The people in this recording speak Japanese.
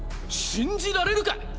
信じられるか！